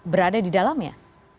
berada di dalamnya